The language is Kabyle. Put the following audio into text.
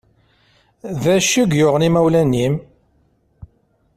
D acu i yuɣen imawlan-im?